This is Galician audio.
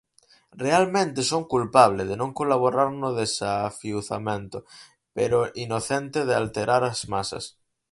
Realmente son culpable de non colaborar no desafiuzamento, pero inocente de alterar as masas.